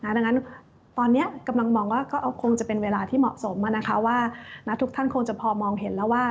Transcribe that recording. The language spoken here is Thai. ดังนั้นตอนนี้กำลังมองว่าก็คงจะเป็นเวลาที่เหมาะสมว่าทุกท่านคงจะพอมองเห็นแล้วว่า